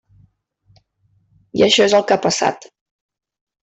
I això és el que ha passat.